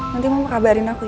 nanti mama kabarin aku